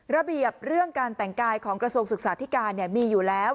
เรื่องการแต่งกายของกระทรวงศึกษาธิการมีอยู่แล้ว